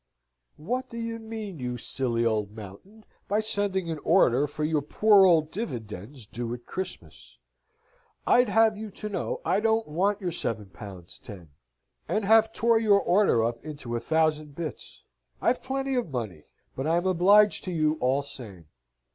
"What do you mien, you silly old Mountain, by sending an order for your poor old divadends dew at Xmas? I'd have you to know I don't want your 7l. 10, and have toar your order up into 1000 bitts. I've plenty of money. But I'm obleaged to you all same.